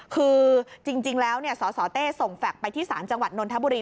คือจริงแล้วสสเต้ส่งแฟคไปที่ศาลจังหวัดนนทบุรี